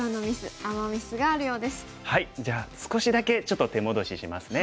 じゃあ少しだけちょっと手戻ししますね。